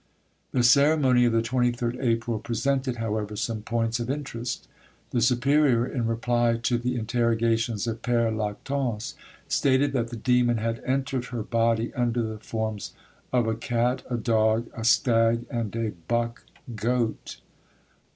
The ceremony of the 23rd April presented, however, some points of interest. The superior, in reply to the interrogations of Pere Lactance, stated that the demon had entered her body under the forms of a cat, a dog, a stag, and a buck goat.